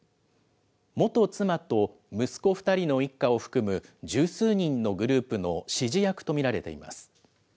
元妻と息子２人の一家を含む十数人のグループの指示役と見られています。